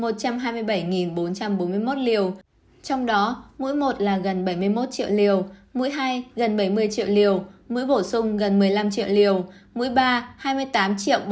trong đó mũi một là gần bảy mươi một triệu liều mũi hai gần bảy mươi triệu liều mũi bổ sung gần một mươi năm triệu liều